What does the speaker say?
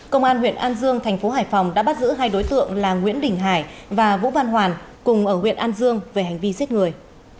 công an huyện an dương thành phố hải phòng đã bắt giữ hai đối tượng là nguyễn đình hải và vũ văn hoàn cùng ở huyện an dương về hành vi giết người